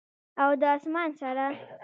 او د اسمان سره،